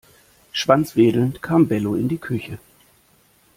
Schwanzwedelnd kam Bello in die Küche.